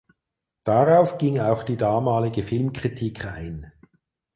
Darauf ging auch die damalige Filmkritik ein.